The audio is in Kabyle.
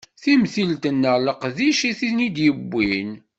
Timentilt neɣ leqdic i ten-id-yewwin.